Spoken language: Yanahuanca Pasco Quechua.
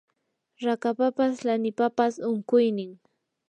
rakapapas lanipapas unquynin